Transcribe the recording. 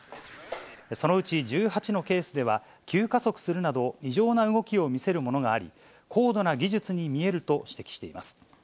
そのうち１８のケースでは、急加速するなど異常な動きを見せるものがあり、高度な技術に見えると指摘しています。